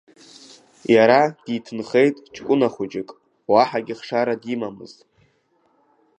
Иара диҭынхеит ҷкәына хәыҷык, уаҳагьы хшара димамызт.